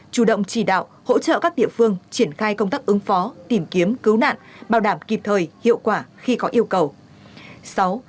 chủ động chỉ đạo hỗ trợ các địa phương triển khai công tác ứng phó tìm kiếm cứu nạn bảo đảm kịp thời hiệu quả khi có yêu cầu